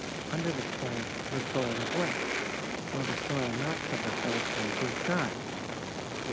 Under the plank the soil is wet, while the soil not covered by the plank is dry.